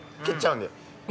蹴っちゃうんで。